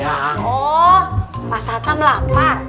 oh pak satam lapar